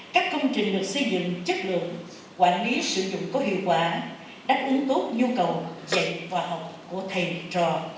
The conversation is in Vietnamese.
các công trình được xây dựng chất lượng quản lý sử dụng có hiệu quả đáp ứng tốt nhu cầu dạy và học của thầy trò